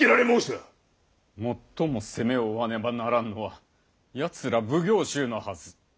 最も責めを負わねばならんのはやつら奉行衆のはず。